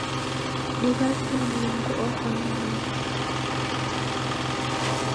Dighambe Mlungu oko na hachi